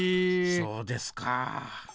そうですか。